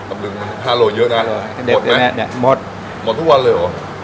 ตำรึงมันห้าโลเยอะน่ะเด็ดเนี้ยเนี้ยหมดหมดทุกวันเลยเหรอ